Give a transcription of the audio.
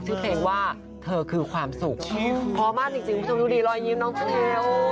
ชื่อเพลงว่าเธอคือความสุขพร้อมมากจริงคุณผู้ชมดูดีรอยยิ้มน้องฟิล